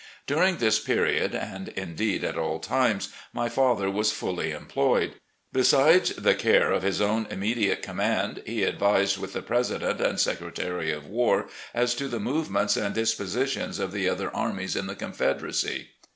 During this period, and indeed at all times, my father was fully employed. Besides the care of his own imme diate command, he advised with the President and Secre tary of War as to the movements and dispositions of the other armies in the Confederacy.